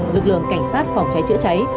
lực lượng cảnh sát phòng cháy chữa cháy